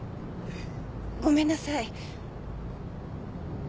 ごめんなさい。